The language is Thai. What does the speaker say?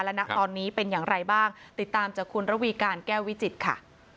และณตอนนี้เป็นอย่างไรบ้างติดตามจากคุณระวีการแก้ววิจิตรค่ะ